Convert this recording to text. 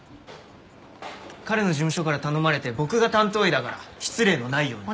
彼の事務所から頼まれて僕が担当医だから失礼のないように。